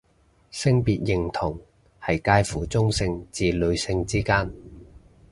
性別認同係界乎中性至女性之間